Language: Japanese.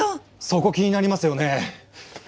そこ気になりますよね？